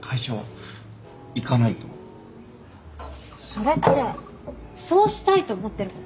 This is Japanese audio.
それってそうしたいと思ってること？